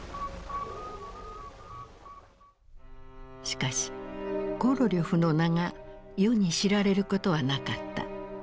しかしコロリョフの名が世に知られることはなかった。